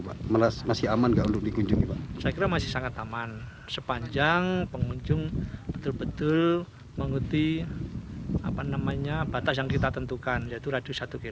betul betul mengerti batas yang kita tentukan yaitu radius satu km